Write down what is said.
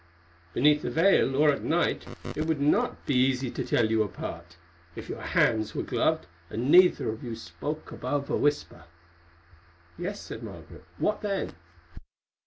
Beneath a veil, or at night, it would not be easy to tell you apart if your hands were gloved and neither of you spoke above a whisper." "Yes," said Margaret, "what then?"